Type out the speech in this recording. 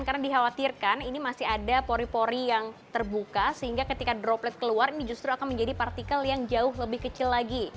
karena dikhawatirkan ini masih ada pori pori yang terbuka sehingga ketika droplet keluar ini justru akan menjadi partikel yang jauh lebih kecil lagi